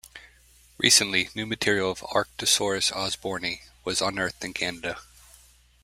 Recently, new material of "Arctosaurus osborni" was unearthed in Canada.